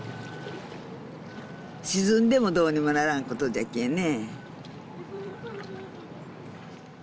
沈んでもどうにもならんことじゃけえね